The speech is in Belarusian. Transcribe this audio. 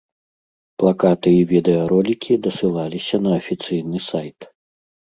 Плакаты і відэаролікі дасылаліся на афіцыйны сайт.